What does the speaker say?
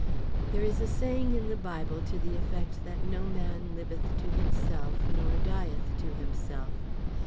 There, is a saying in the Bible to the effect that no man liveth to himself, nor dieth to himself.